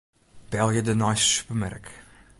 Belje de neiste supermerk.